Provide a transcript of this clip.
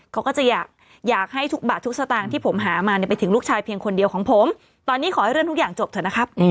เขาก็จะอยากอยากให้ทุกบาททุกสตางค์ที่ผมหามาเนี่ยไปถึงลูกชายเพียงคนเดียวของผมตอนนี้ขอให้เรื่องทุกอย่างจบเถอะนะครับ